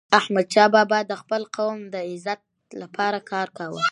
احمدشاه بابا د خپل قوم د عزت لپاره کار کاوه.